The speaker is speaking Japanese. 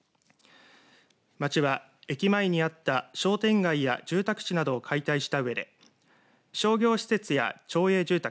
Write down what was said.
町は駅前にあった商店街や住宅地などを解体したうえで商業施設や、町営住宅